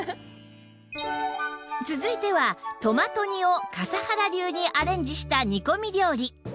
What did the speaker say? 続いてはトマト煮を笠原流にアレンジした煮込み料理